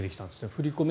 振り込め